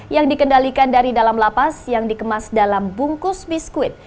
yang dikendalikan dari dalam lapas yang dikemas dalam bungkus biskuit